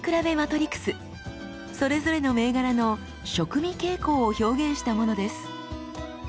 それぞれの銘柄の食味傾向を表現したものです。